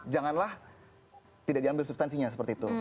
janganlah tidak diambil substansinya seperti itu